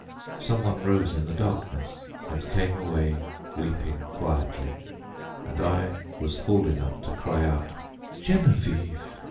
Some one rose in the darkness, and came away weeping quietly, and I was fool enough to cry out "Geneviève!"